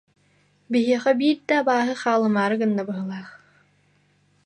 Биһиэхэ биир да абааһы хаалымаары гынна быһыылаах